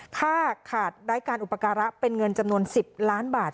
ถ้าขาดไร้การอุปการะเป็นเงินจำนวน๑๐ล้านบาท